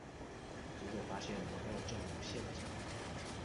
結果發現我又中了陷阱